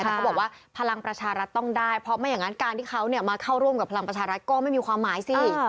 แต่เขาบอกว่าพลังประชารัฐต้องได้เพราะไม่อย่างนั้นการที่เขามาเข้าร่วมกับพลังประชารัฐก็ไม่มีความหมายสิ